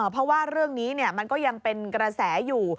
เพราะว่าเรื่องนี้มันก็ยังเป็นกระแสอยู่